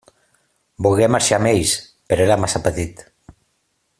Volgué marxar amb ells, però era massa petit.